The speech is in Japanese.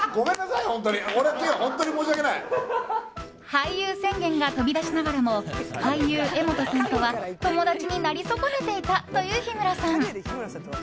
俳優宣言が飛び出しながらも俳優・柄本さんとは友達になり損ねていたという日村さん。